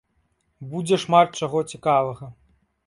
Будзе шмат чаго цікавага!